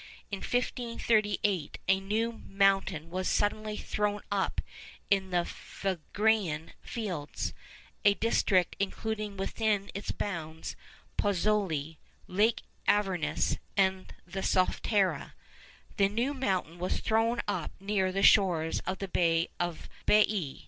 In 1538 a new mountain was suddenly thrown up in the Phlegræan Fields—a district including within its bounds Pozzuoli, Lake Avernus, and the Solfatara. The new mountain was thrown up near the shores of the Bay of Baiæ.